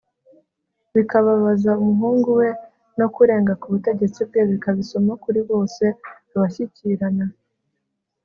bikababaza umuhungu we no kurenga ku butegetsi bwe, bikaba isomo kuri bose abashyikirana